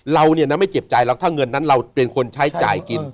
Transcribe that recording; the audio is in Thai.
เราเนี่ยนะไม่เจ็บใจหรอกถ้าเงินนั้นเราเป็นคนใช้จ่ายกิน